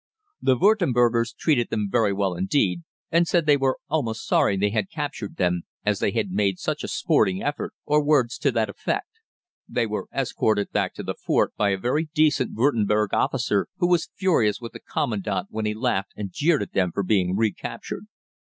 The Würtembergers treated them very well indeed, and said they were almost sorry they had captured them, as they had made such a sporting effort, or words to that effect. They were escorted back to the fort by a very decent Würtemberg officer, who was furious with the Commandant when he laughed and jeered at them for being recaptured.